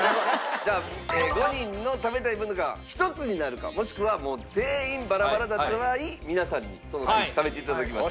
じゃあ５人の食べたいものが一つになるかもしくはもう全員バラバラだった場合皆さんにそのスイーツ食べていただきます。